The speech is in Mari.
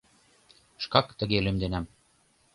Шкак тыге лӱмденам.